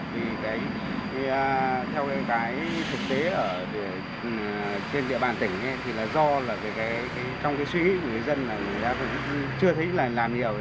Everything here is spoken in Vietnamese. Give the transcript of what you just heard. thì theo cái thực tế trên địa bàn tỉnh thì do là trong cái suy nghĩ của người dân là người ta chưa thấy làm nhiều